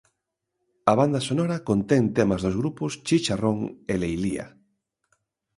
A banda sonora contén temas dos grupos, Chicharrón e Leilía.